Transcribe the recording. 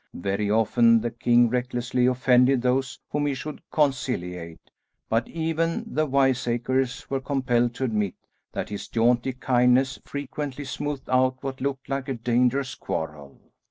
Very often the king recklessly offended those whom he should conciliate, but even the wiseacres were compelled to admit that his jaunty kindness frequently smoothed out what looked like a dangerous quarrel.